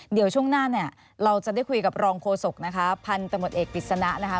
เดี๋ยวช่วงหน้าเราจะได้คุยกับรองโฆษกพันธุ์ตำรวจเอกฤษณะ